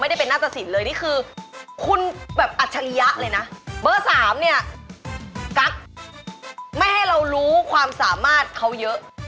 ไม่ให้เรารู้ความสามารถเขาเยอะ